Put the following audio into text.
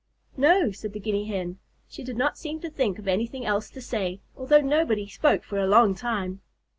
"No," said the Guinea Hen. She did not seem to think of anything else to say, although nobody spoke for a long time.